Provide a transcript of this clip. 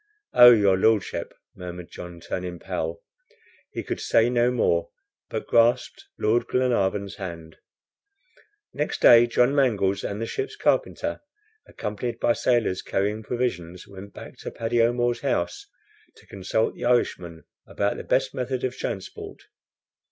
"Oh! your Lordship," murmured John, turning pale. He could say no more, but grasped Lord Glenarvan's hand. Next day, John Mangles and the ship's carpenter, accompanied by sailors carrying provisions, went back to Paddy O'Moore's house to consult the Irishman about the best method of transport.